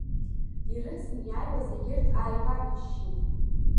Ирыцны иааиуаз егьырҭ ааибарччеит.